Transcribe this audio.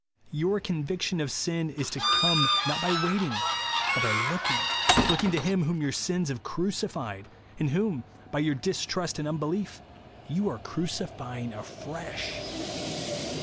Your conviction of sin is to come not by waiting, but by looking ; looking to Him whom your sins have crucified, and whom, by your distrust and unbelief, you are crucifying afresh.